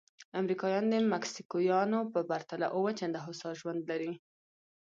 امریکایان د مکسیکویانو په پرتله اووه چنده هوسا ژوند لري.